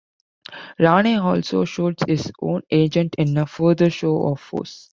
Rane also shoots his own agent in a further show of force.